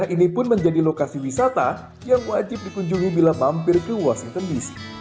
ini adalah pertama kali